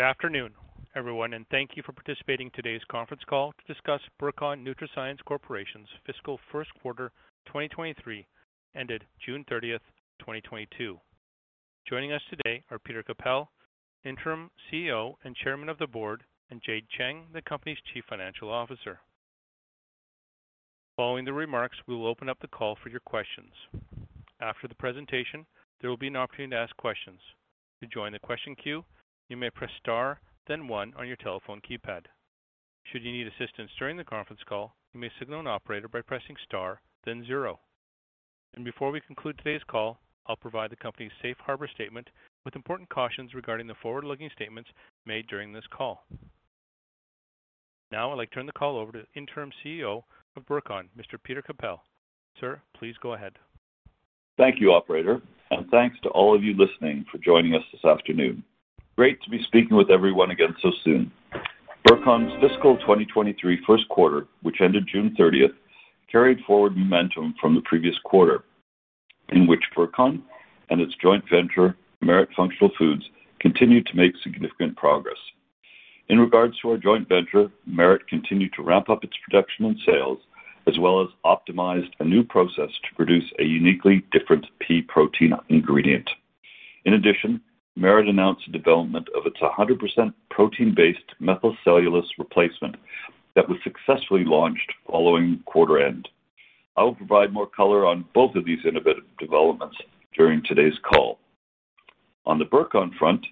Good afternoon, everyone, and thank you for participating in today's conference call to discuss Burcon NutraScience Corporation's fiscal Q1 2023 ended June 30, 2022. Joining us today are Peter H. Kappel, Interim CEO and Chairman of the Board, and Jade Cheng, the company's Chief Financial Officer. Following the remarks, we will open up the call for your questions. After the presentation, there will be an opportunity to ask questions. To join the question queue, you may press Star, then one on your telephone keypad. Should you need assistance during the conference call, you may signal an operator by pressing Star, then zero. Before we conclude today's call, I'll provide the company's safe harbor statement with important cautions regarding the forward-looking statements made during this call. Now I'd like to turn the call over to Interim CEO of Burcon NutraScience Corporation, Mr. Peter H. Kappel. Sir, please go ahead. Thank you, operator, and thanks to all of you listening for joining us this afternoon. Great to be speaking with everyone again so soon. Burcon's fiscal 2023 Q1, which ended June 30, carried forward momentum from the previous quarter, in which Burcon and its joint venture, Merit Functional Foods, continued to make significant progress. In regards to our joint venture, Merit continued to ramp up its production and sales, as well as optimized a new process to produce a uniquely different pea protein ingredient. In addition, Merit announced the development of its 100% protein-based methylcellulose replacement that was successfully launched following quarter end. I'll provide more color on both of these innovative developments during today's call. On the Burcon front,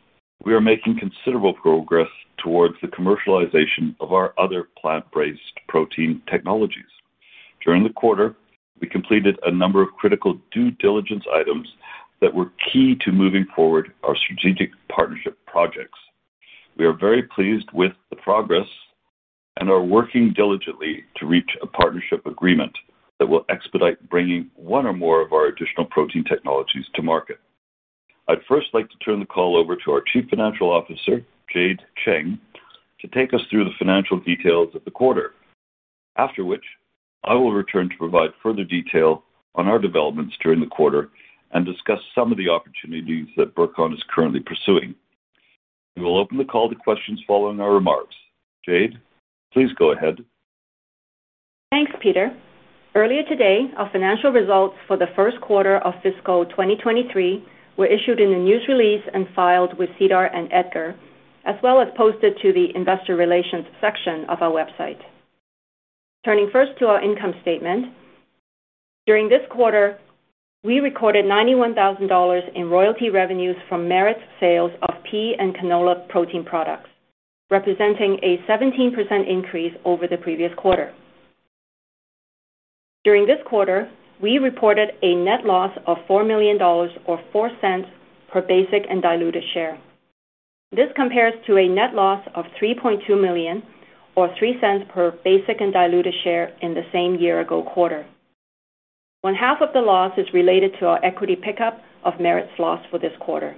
we are making considerable progress towards the commercialization of our other plant-based protein technologies. During the quarter, we completed a number of critical due diligence items that were key to moving forward our strategic partnership projects. We are very pleased with the progress and are working diligently to reach a partnership agreement that will expedite bringing one or more of our additional protein technologies to market. I'd first like to turn the call over to our Chief Financial Officer, Jade Cheng, to take us through the financial details of the quarter. After which, I will return to provide further detail on our developments during the quarter and discuss some of the opportunities that Burcon is currently pursuing. We will open the call to questions following our remarks. Jade, please go ahead. Thanks, Peter. Earlier today, our financial results for the Q1 of fiscal 2023 were issued in a news release and filed with SEDAR and EDGAR, as well as posted to the investor relations section of our website. Turning first to our income statement. During this quarter, we recorded $91000 in royalty revenues from Merit's sales of pea and canola protein products, representing a 17% increase over the previous quarter. During this quarter, we reported a net loss of $4 million or $0.04 per basic and diluted share. This compares to a net loss of $3.2 million or $0.03 per basic and diluted share in the same year-ago quarter. One half of the loss is related to our equity pickup of Merit's loss for this quarter.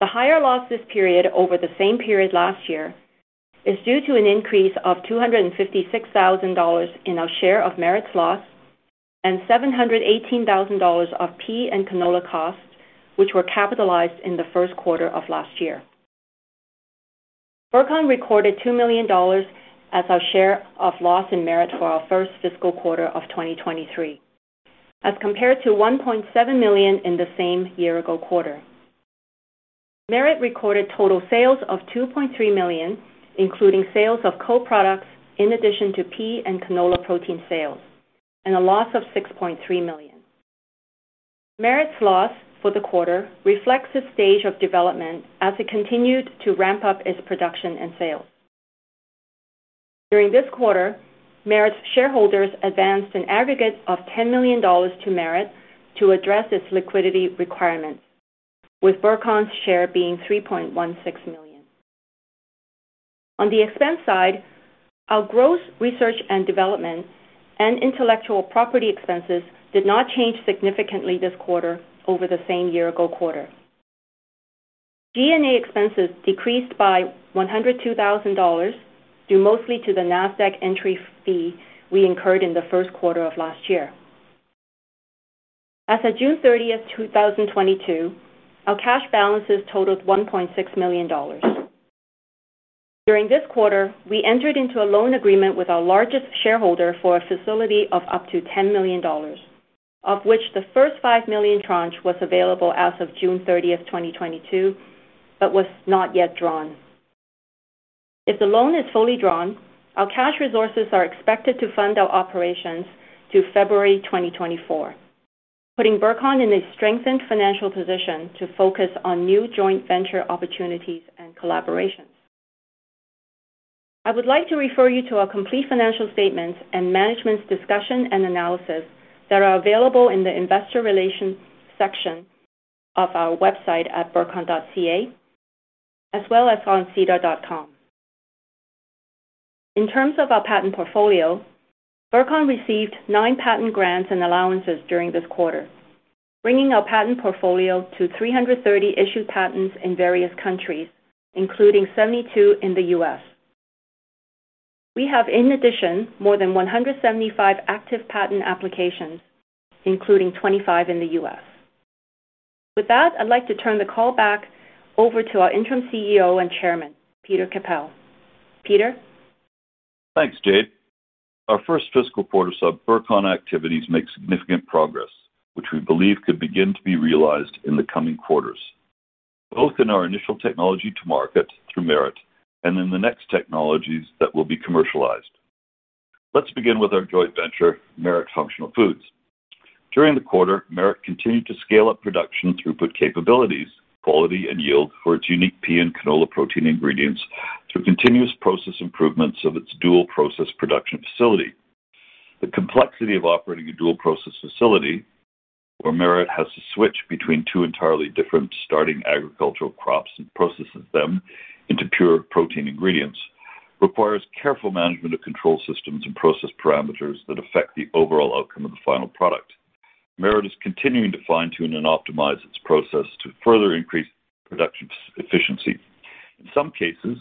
The higher loss this period over the same period last year is due to an increase of $256,000 in our share of Merit's loss and $718,000 of pea and canola costs, which were capitalized in the Q1 of last year. Burcon recorded $2 million as our share of Merit's loss in Merit for our fiscal Q1 of 2023, as compared to $1.7 million in the same year-ago quarter. Merit recorded total sales of $2.3 million, including sales of co-products in addition to pea and canola protein sales, and a loss of $6.3 million. Merit's loss for the quarter reflects the stage of development as it continued to ramp up its production and sales. During this quarter, Merit's shareholders advanced an aggregate of $10 million to Merit to address its liquidity requirements, with Burcon's share being $3.16 million. On the expense side, our gross research and development and intellectual property expenses did not change significantly this quarter over the same year-ago quarter. G&A expenses decreased by $102,000, due mostly to the Nasdaq entry fee we incurred in the Q1 of last year. As of June thirtieth, two thousand and twenty-two, our cash balances totaled $1.6 million. During this quarter, we entered into a loan agreement with our largest shareholder for a facility of up to $10 million, of which the first $5 million tranche was available as of June thirtieth, twenty-twenty-two, but was not yet drawn. If the loan is fully drawn, our cash resources are expected to fund our operations through February 2024, putting Burcon in a strengthened financial position to focus on new joint venture opportunities and collaborations. I would like to refer you to our complete financial statements and management's discussion and analysis that are available in the investor relations section of our website at burcon.ca, as well as on sedar.com. In terms of our patent portfolio, Burcon received 9 patent grants and allowances during this quarter, bringing our patent portfolio to 330 issued patents in various countries, including 72 in the US. We have, in addition, more than 175 active patent applications, including 25 in the US. With that, I'd like to turn the call back over to our interim CEO and chairman, Peter Kappel. Peter? Thanks, Jade. Our fiscal Q1 saw Burcon activities make significant progress, which we believe could begin to be realized in the coming quarters, both in our initial technology to market through Merit and in the next technologies that will be commercialized. Let's begin with our joint venture, Merit Functional Foods. During the quarter, Merit continued to scale up production throughput capabilities, quality, and yield for its unique pea and canola protein ingredients through continuous process improvements of its dual-process production facility. The complexity of operating a dual-process facility, where Merit has to switch between two entirely different starting agricultural crops and processes them into pure protein ingredients, requires careful management of control systems and process parameters that affect the overall outcome of the final product. Merit is continuing to fine-tune and optimize its process to further increase production efficiency. In some cases,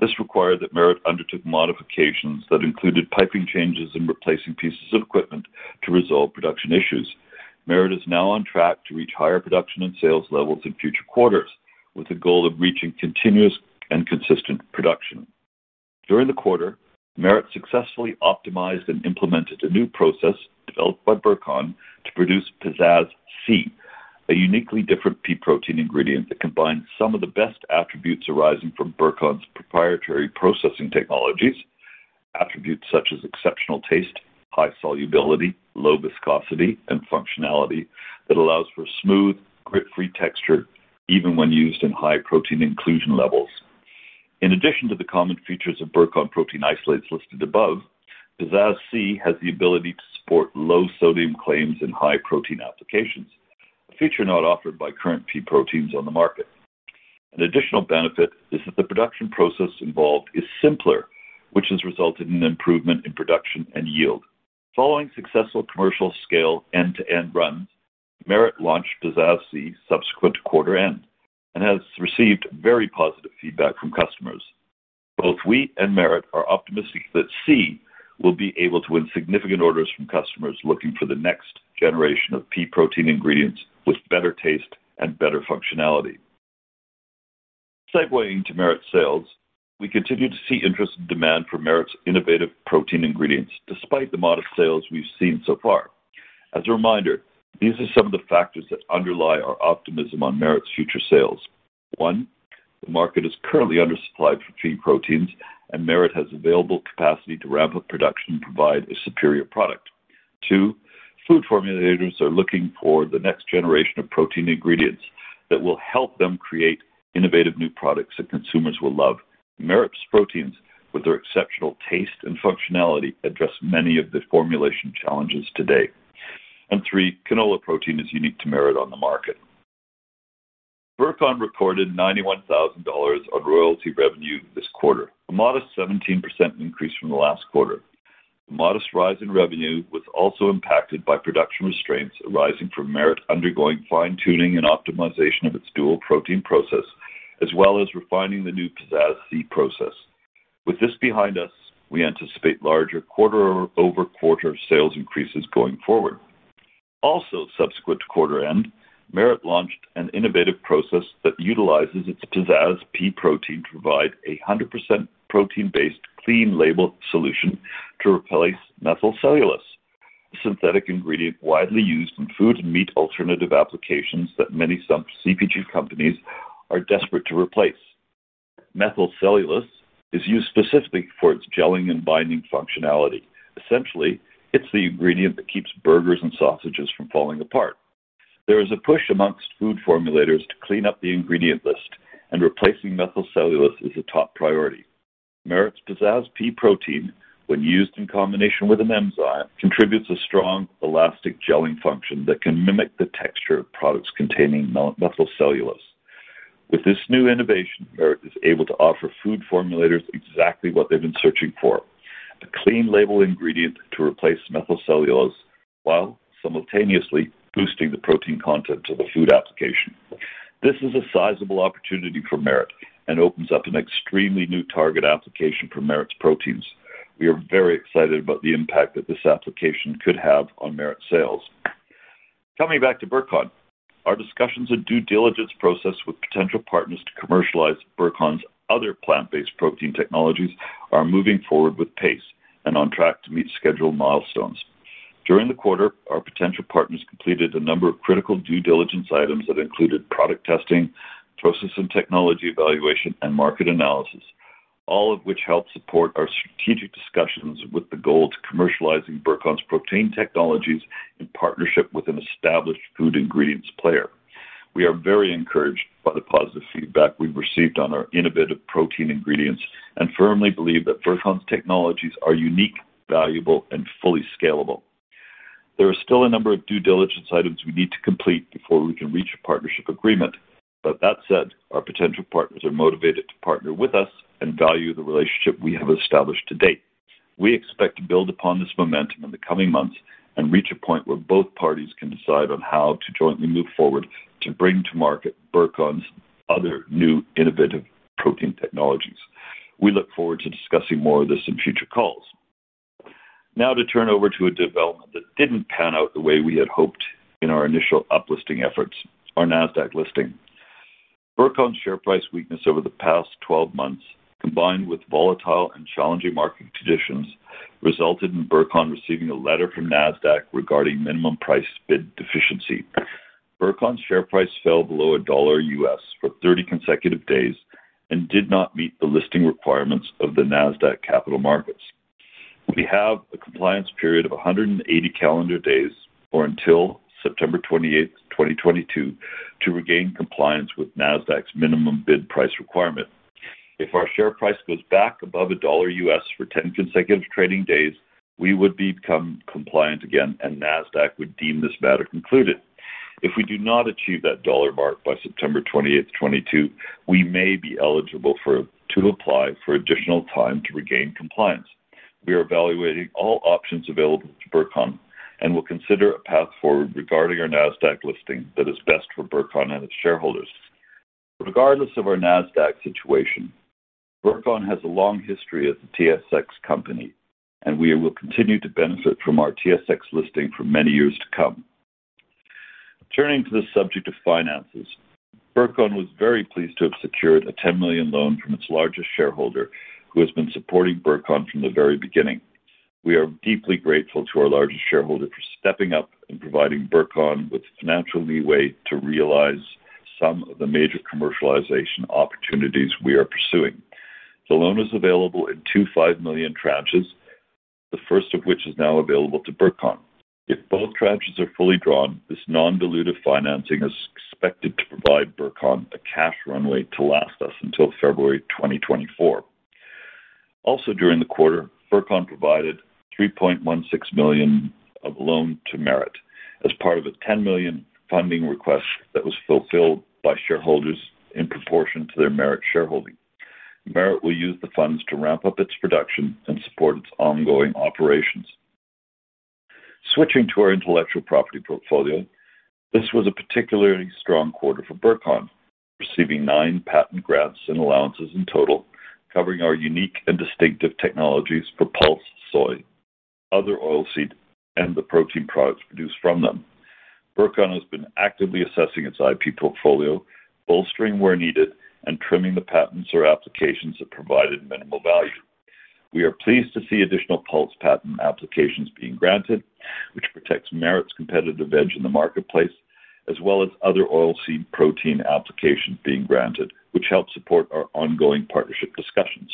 this required that Merit undertook modifications that included piping changes and replacing pieces of equipment to resolve production issues. Merit is now on track to reach higher production and sales levels in future quarters, with the goal of reaching continuous and consistent production. During the quarter, Merit successfully optimized and implemented a new process developed by Burcon to produce Peazazz C, a uniquely different pea protein ingredient that combines some of the best attributes arising from Burcon's proprietary processing technologies. Attributes such as exceptional taste, high solubility, low viscosity, and functionality that allows for smooth, grit-free texture even when used in high protein inclusion levels. In addition to the common features of Burcon protein isolates listed above, Peazazz C has the ability to support low sodium claims in high protein applications, a feature not offered by current pea proteins on the market. An additional benefit is that the production process involved is simpler, which has resulted in improvement in production and yield. Following successful commercial scale end-to-end runs, Merit launched Peazazz C subsequent to quarter end and has received very positive feedback from customers. Both we and Merit are optimistic that C will be able to win significant orders from customers looking for the next generation of pea protein ingredients with better taste and better functionality. Segueing to Merit sales, we continue to see interest and demand for Merit's innovative protein ingredients despite the modest sales we've seen so far. As a reminder, these are some of the factors that underlie our optimism on Merit's future sales. One, the market is currently undersupplied for pea proteins, and Merit has available capacity to ramp up production and provide a superior product. Two, food formulators are looking for the next generation of protein ingredients that will help them create innovative new products that consumers will love. Merit's proteins, with their exceptional taste and functionality, address many of the formulation challenges today. Three, canola protein is unique to Merit on the market. Burcon recorded $91000 on royalty revenue this quarter, a modest 17% increase from the last quarter. The modest rise in revenue was also impacted by production restraints arising from Merit undergoing fine-tuning and optimization of its dual protein process, as well as refining the new Peazazz C process. With this behind us, we anticipate larger quarter-over-quarter sales increases going forward. Also, subsequent to quarter end, Merit launched an innovative process that utilizes its Peazazz pea protein to provide 100% protein-based clean label solution to replace methylcellulose, a synthetic ingredient widely used in food and meat alternative applications that many CPG companies are desperate to replace. Methylcellulose is used specifically for its gelling and binding functionality. Essentially, it's the ingredient that keeps burgers and sausages from falling apart. There is a push among food formulators to clean up the ingredient list, and replacing methylcellulose is a top priority. Merit's Peazazz pea protein, when used in combination with an enzyme, contributes a strong elastic gelling function that can mimic the texture of products containing methylcellulose. With this new innovation, Merit is able to offer food formulators exactly what they've been searching for, a clean label ingredient to replace methylcellulose while simultaneously boosting the protein content of the food application. This is a sizable opportunity for Merit and opens up an extremely new target application for Merit's proteins. We are very excited about the impact that this application could have on Merit's sales. Coming back to Burcon, our discussions and due diligence process with potential partners to commercialize Burcon's other plant-based protein technologies are moving forward apace and on track to meet scheduled milestones. During the quarter, our potential partners completed a number of critical due diligence items that included product testing, process and technology evaluation, and market analysis, all of which help support our strategic discussions with the goal of commercializing Burcon's protein technologies in partnership with an established food ingredients player. We are very encouraged by the positive feedback we've received on our innovative protein ingredients and firmly believe that Burcon's technologies are unique, valuable, and fully scalable. There are still a number of due diligence items we need to complete before we can reach a partnership agreement. That said, our potential partners are motivated to partner with us and value the relationship we have established to date. We expect to build upon this momentum in the coming months and reach a point where both parties can decide on how to jointly move forward to bring to market Burcon's other new innovative protein technologies. We look forward to discussing more of this in future calls. Now to turn over to a development that didn't pan out the way we had hoped in our initial uplisting efforts, our Nasdaq listing. Burcon's share price weakness over the past 12 months, combined with volatile and challenging market conditions, resulted in Burcon receiving a letter from Nasdaq regarding minimum price bid deficiency. Burcon's share price fell below $1 for 30 consecutive days and did not meet the listing requirements of the Nasdaq Capital Market. We have a compliance period of 180 calendar days, or until September 28, 2022, to regain compliance with Nasdaq's minimum bid price requirement. If our share price goes back above $1 for 10 consecutive trading days, we would become compliant again and Nasdaq would deem this matter concluded. If we do not achieve that dollar mark by September 28, 2022, we may be eligible to apply for additional time to regain compliance. We are evaluating all options available to Burcon and will consider a path forward regarding our Nasdaq listing that is best for Burcon and its shareholders. Regardless of our Nasdaq situation, Burcon has a long history as a TSX company and we will continue to benefit from our TSX listing for many years to come. Turning to the subject of finances, Burcon was very pleased to have secured a $10 million loan from its largest shareholder, who has been supporting Burcon from the very beginning. We are deeply grateful to our largest shareholder for stepping up and providing Burcon with the financial leeway to realize some of the major commercialization opportunities we are pursuing. The loan is available in two $5 million tranches, the first of which is now available to Burcon. If both tranches are fully drawn, this non-dilutive financing is expected to provide Burcon a cash runway to last us until February 2024. During the quarter, Burcon provided $3.16 million of loan to Merit as part of a $10 million funding request that was fulfilled by shareholders in proportion to their Merit shareholding. Merit will use the funds to ramp up its production and support its ongoing operations. Switching to our intellectual property portfolio, this was a particularly strong quarter for Burcon, receiving 9 patent grants and allowances in total, covering our unique and distinctive technologies for pulse, soy, other oil seed, and the protein products produced from them. Burcon has been actively assessing its IP portfolio, bolstering where needed and trimming the patents or applications that provided minimal value. We are pleased to see additional pulse patent applications being granted, which protects Merit's competitive edge in the marketplace, as well as other oil seed protein applications being granted, which help support our ongoing partnership discussions.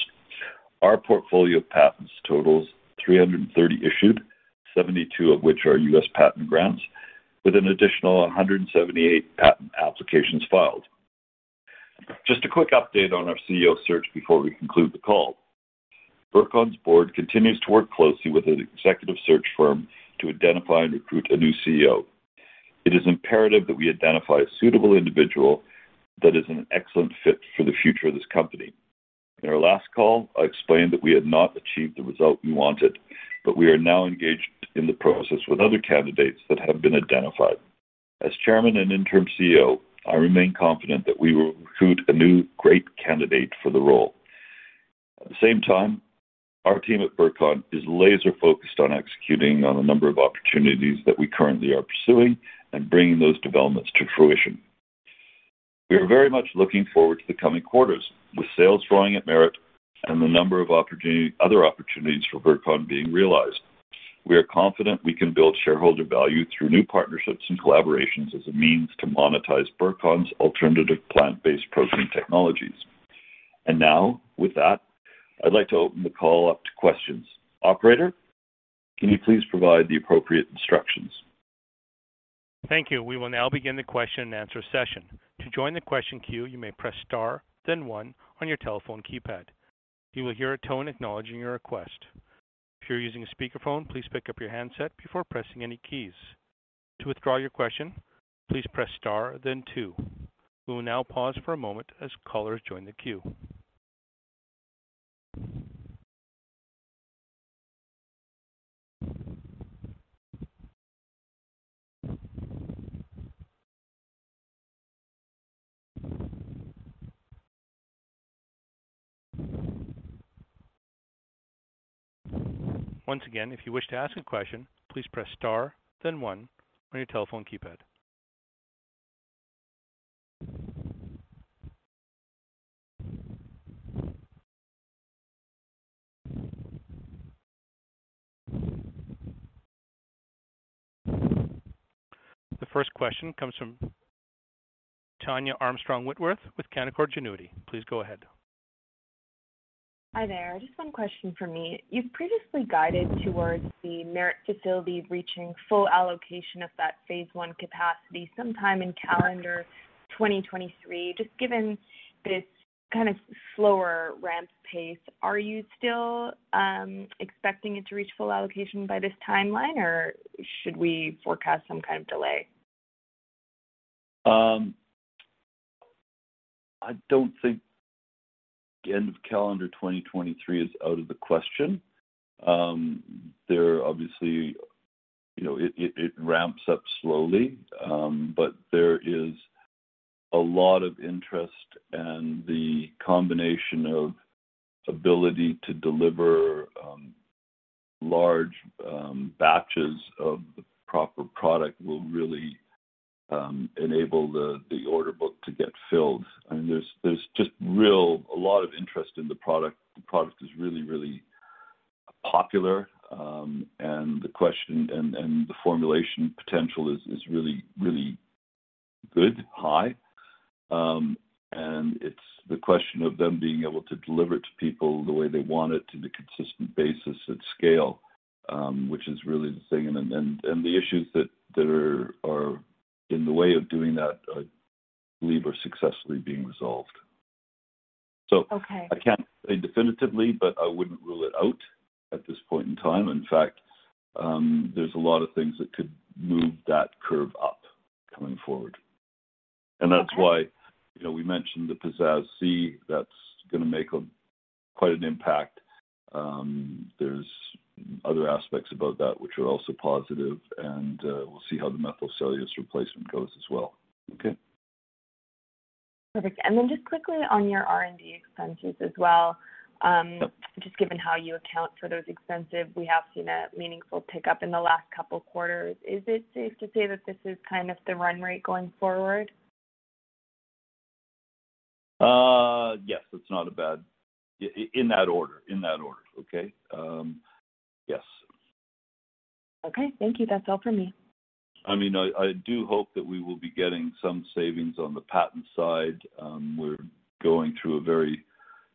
Our portfolio of patents totals 330 issued, 72 of which are U.S. patent grants, with an additional 178 patent applications filed. Just a quick update on our CEO search before we conclude the call. Burcon's board continues to work closely with an executive search firm to identify and recruit a new CEO. It is imperative that we identify a suitable individual that is an excellent fit for the future of this company. In our last call, I explained that we had not achieved the result we wanted, but we are now engaged in the process with other candidates that have been identified. As chairman and interim CEO, I remain confident that we will recruit a new great candidate for the role. At the same time, our team at Burcon is laser focused on executing on a number of opportunities that we currently are pursuing and bringing those developments to fruition. We are very much looking forward to the coming quarters with sales growing at Merit and the number of other opportunities for Burcon being realized. We are confident we can build shareholder value through new partnerships and collaborations as a means to monetize Burcon's alternative plant-based protein technologies. Now, with that, I'd like to open the call up to questions. Operator, can you please provide the appropriate instructions? Thank you. We will now begin the question and answer session. To join the question queue, you may press star then one on your telephone keypad. You will hear a tone acknowledging your request. If you're using a speakerphone, please pick up your handset before pressing any keys. To withdraw your question, please press star then two. We will now pause for a moment as callers join the queue. Once again, if you wish to ask a question, please press star then one on your telephone keypad. The first question comes from Tania Armstrong-Whitworth with Canaccord Genuity. Please go ahead. Hi there. Just one question for me. You've previously guided towards the Merit facility reaching full allocation of that phase one capacity sometime in calendar 2023. Just given this slower ramp pace, are you still expecting it to reach full allocation by this timeline, or should we forecast some delay? I don't think the end of calendar 2023 is out of the question. There are obviously, you know, it ramps up slowly, but there is a lot of interest and the combination of ability to deliver large batches of the proper product will really enable the order book to get filled. There's just really a lot of interest in the product. The product is really popular. The formulation potential is really good, high. It's the question of them being able to deliver to people the way they want it on a consistent basis at scale, which is really the thing. The issues that are in the way of doing that, I believe are successfully being resolved. Okay. I can't say definitively, but I wouldn't rule it out at this point in time. In fact, there's a lot of things that could move that curve up coming forward. Okay. That's why, you know, we mentioned the Peazazz C. That's gonna make quite an impact. There's other aspects about that which are also positive, and we'll see how the methylcellulose replacement goes as well. Okay. Perfect. Just quickly on your R&D expenses as well. Yep. Just given how you account for those expenses, we have seen a meaningful pickup in the last couple quarters. Is it safe to say that this is the run rate going forward? Yes. It's not a bad. In that order. Okay. Yes. Okay. Thank you. That's all for me. I mean, I do hope that we will be getting some savings on the patent side. We're going through a very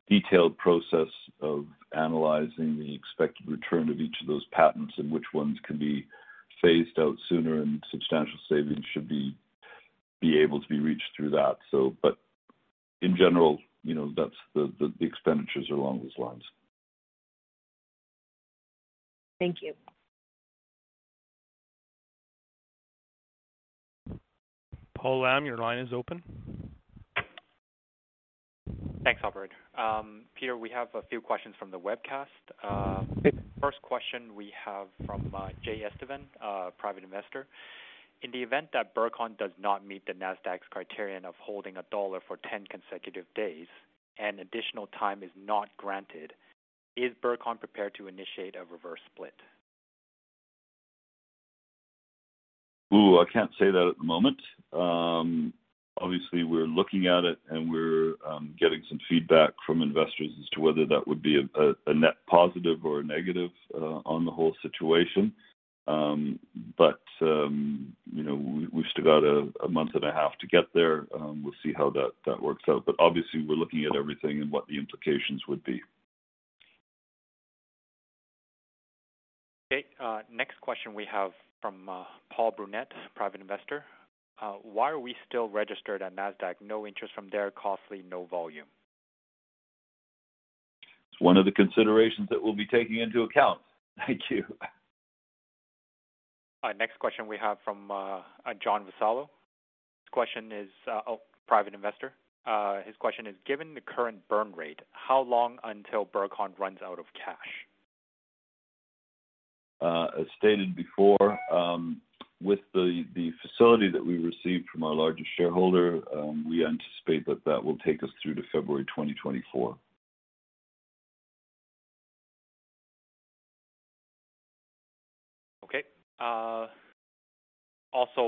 detailed process of analyzing the expected return of each of those patents and which ones can be phased out sooner, and substantial savings should be able to be reached through that. In general, you know, that's the expenditures are along those lines. Thank you. Paul Lam, your line is open. Thanks, operator. Peter, we have a few questions from the webcast. Okay. First question we have from Jay Estevan, a private investor. In the event that Burcon does not meet the Nasdaq's criterion of holding $1 for 10 consecutive days and additional time is not granted, is Burcon prepared to initiate a reverse split? Ooh, I can't say that at the moment. Obviously, we're looking at it, and we're getting some feedback from investors as to whether that would be a net positive or a negative on the whole situation. You know, we've still got a month and a half to get there. We'll see how that works out. Obviously, we're looking at everything and what the implications would be. Okay. Next question we have from Paul Brunette, Private Investor. Why are we still registered on Nasdaq? No interest from there. Costly, no volume. It's one of the considerations that we'll be taking into account. Thank you. Our next question we have from John Vassallo. His question is, oh, private investor. His question is, given the current burn rate, how long until Burcon runs out of cash? As stated before, with the facility that we received from our largest shareholder, we anticipate that will take us through to February 2024. Okay. Also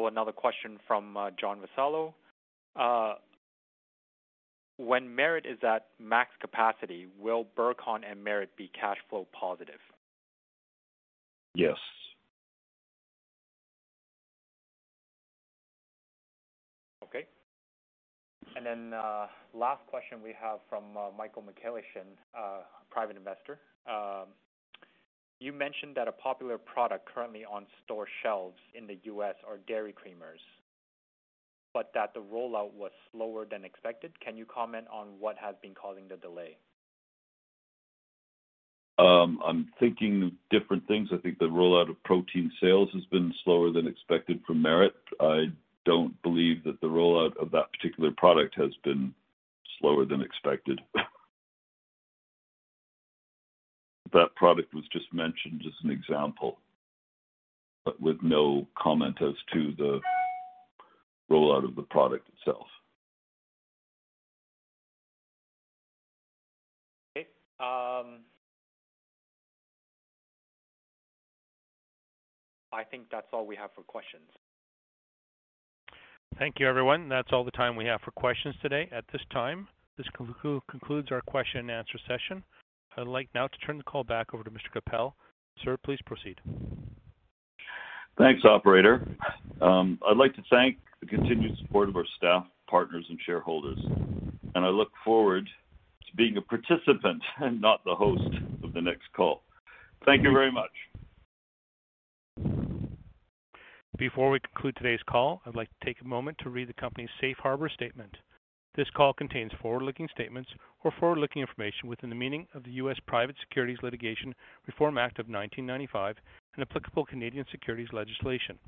another question from John Vassallo. When Merit is at max capacity, will Burcon and Merit be cash flow positive? Yes. Okay. Last question we have from Michael McKellishin, private investor. You mentioned that a popular product currently on store shelves in the U.S. are dairy creamers, but that the rollout was slower than expected. Can you comment on what has been causing the delay? I'm thinking of different things. I think the rollout of protein sales has been slower than expected from Merit. I don't believe that the rollout of that particular product has been slower than expected. That product was just mentioned as an example, but with no comment as to the rollout of the product itself. Okay. I think that's all we have for questions. Thank you, everyone. That's all the time we have for questions today. At this time, this concludes our question and answer session. I'd like now to turn the call back over to Mr. Kappel. Sir, please proceed. Thanks, operator. I'd like to thank the continued support of our staff, partners, and shareholders, and I look forward to being a participant and not the host of the next call. Thank you very much. Before we conclude today's call, I'd like to take a moment to read the company's safe harbor statement. This call contains forward-looking statements or forward-looking information within the meaning of the U.S. Private Securities Litigation Reform Act of 1995 and applicable Canadian securities legislation.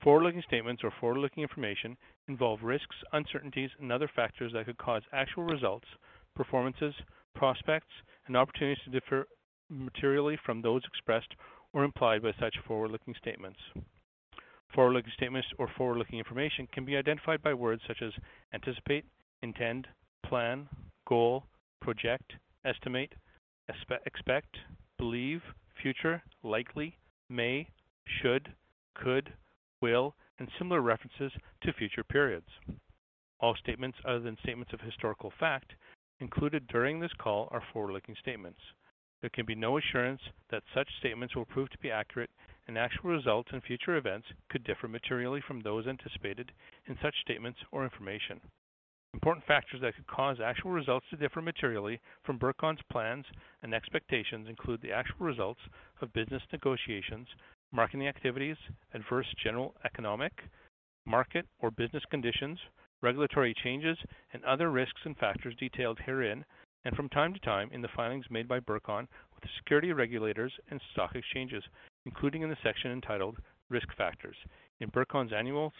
Forward-looking statements or forward-looking information involve risks, uncertainties, and other factors that could cause actual results, performances, prospects, and opportunities to differ materially from those expressed or implied by such forward-looking statements. Forward-looking statements or forward-looking information can be identified by words such as anticipate, intend, plan, goal, project, estimate, expect, believe, future, likely, may, should, could, will, and similar references to future periods. All statements other than statements of historical fact included during this call are forward-looking statements. There can be no assurance that such statements will prove to be accurate, and actual results in future events could differ materially from those anticipated in such statements or information. Important factors that could cause actual results to differ materially from Burcon's plans and expectations include the actual results of business negotiations, marketing activities, adverse general economic, market, or business conditions, regulatory changes, and other risks and factors detailed herein and from time to time in the filings made by Burcon with the securities regulators and stock exchanges, including in the section entitled Risk Factors in Burcon's Annual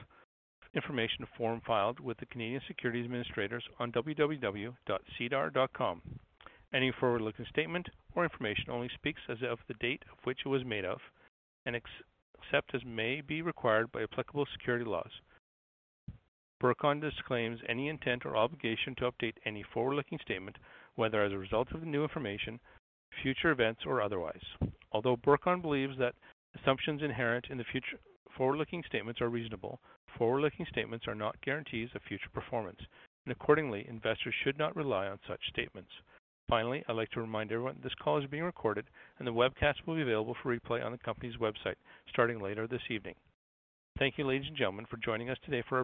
Information Form filed with the Canadian Securities Administrators on www.sedar.com. Any forward-looking statement or information only speaks as of the date on which it was made, and except as may be required by applicable securities laws. Burcon disclaims any intent or obligation to update any forward-looking statement, whether as a result of new information, future events, or otherwise. Although Burcon believes that assumptions inherent in the future forward-looking statements are reasonable, forward-looking statements are not guarantees of future performance, and accordingly, investors should not rely on such statements. Finally, I'd like to remind everyone this call is being recorded, and the webcast will be available for replay on the company's website starting later this evening. Thank you, ladies and gentlemen, for joining us today for our